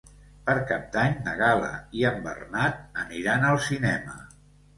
Per Cap d'Any na Gal·la i en Bernat aniran al cinema.